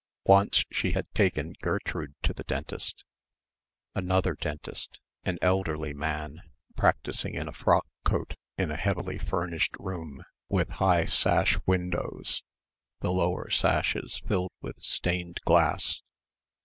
Once she had taken Gertrude to the dentist another dentist, an elderly man, practising in a frock coat in a heavily furnished room with high sash windows, the lower sashes filled with stained glass.